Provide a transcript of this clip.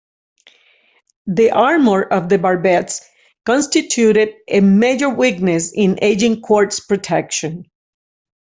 The armour of the barbettes constituted a major weakness in "Agincourt"s protection.